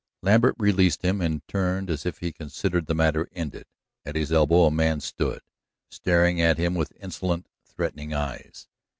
Lambert released him, and turned as if he considered the matter ended. At his elbow a man stood, staring at him with insolent, threatening eyes.